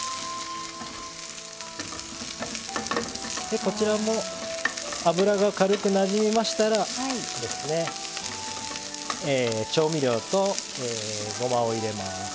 こちらも油が軽くなじみましたら調味料とごまを入れます。